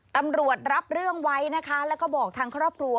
ตำรวจรับเรื่องไว้นะคะแล้วก็บอกทางครอบครัว